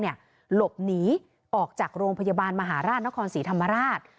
หลบหนีออกจากโรงพยาบาลมหาราชนครศรีธรรมราช